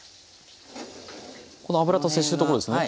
この油と接してるところですね。